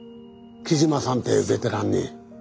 木島さんってベテランに。